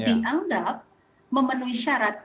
dianggap memenuhi syarat